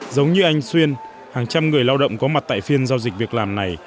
giống như anh xuyên hàng trăm người lao động có mặt tại phiên giao dịch việc làm này